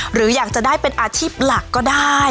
หรืออยากจะได้เป็นอาชีพหลักก็ได้